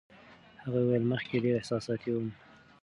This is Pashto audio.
هغې وویل، مخکې ډېره احساساتي وم.